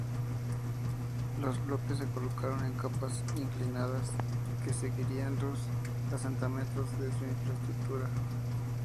Los bloques se colocaron en capas inclinadas, que seguirían los asentamientos de su infraestructura.